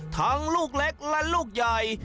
ลูกเล็กและลูกใหญ่